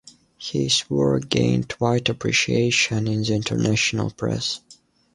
His work gained wide appreciation in the international press.